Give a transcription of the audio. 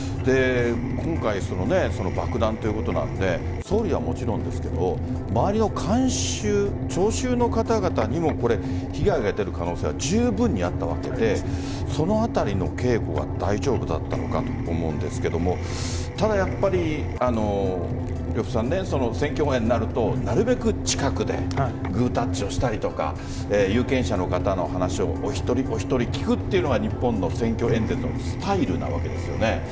今回、爆弾ということなので総理はもちろんですが周りの聴衆の方々にも被害が出る可能性は十分にあったわけでそのあたりの警護は大丈夫だったのかと思うんですがただ、選挙前になるとなるべく近くでグータッチをしたりとか有権者の方の話をお一人お一人聞くというのが日本の選挙演説のスタイルなわけですよね。